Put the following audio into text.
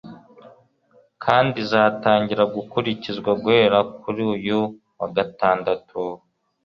kandi izatangira gukurikizwa guhera kuri uyu wa Gatandatu.